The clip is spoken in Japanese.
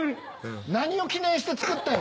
何を記念して造ったん？